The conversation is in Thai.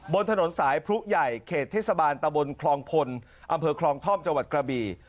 บนถนนสายพรุใหญ่เขตเทศบาลตะบนคลองพลอำเภอคลองท่อมจังหวัดกระบี